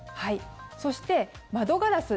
そして、窓ガラス。